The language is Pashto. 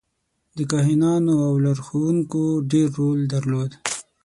د کاهنانو او لارښوونکو ډېر رول درلود.